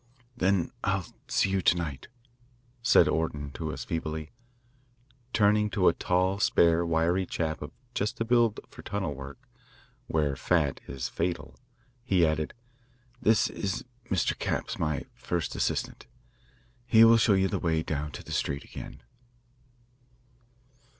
"Then I'll see you to night," said Orton to us feebly. Turning to a tall, spare, wiry chap, of just the build for tunnel work, where fat is fatal, he added: "This is Mr. Capps, my first assistant. He will show you the way down to the street again."